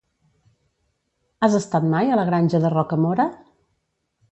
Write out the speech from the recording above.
Has estat mai a la Granja de Rocamora?